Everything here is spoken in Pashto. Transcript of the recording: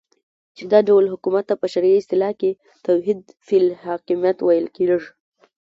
چی دا ډول حکومت ته په شرعی اصطلاح کی توحید فی الحاکمیت ویل کیږی